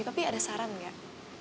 papi ada saran gak